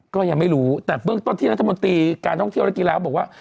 ก็ยังไม่รู้แต่เบื้องต้นที่รัฐมนตรีการท่องเที่ยวและกีฬาบอกว่า